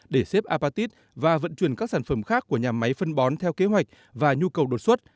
để xếp apatit và vận chuyển các sản phẩm khác của nhà máy phân bón theo kế hoạch và nhu cầu đột xuất